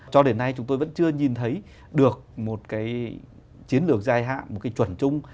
cho đến nay chúng tôi vẫn chưa nhìn thấy được một cái chiến lược dài hạn một cái chuẩn chung